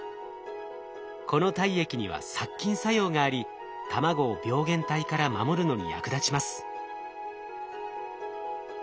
この体液には殺菌作用があり卵を病原体から守るのに役立ちます。